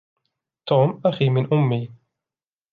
توم أخي من أمّي.